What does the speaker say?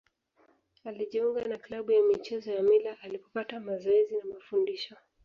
Alijiunga na klabu ya michezo ya Mila alipopata mazoezi na mafundisho.